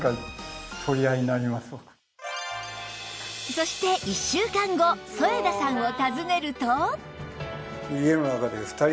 そして１週間後添田さんを訪ねると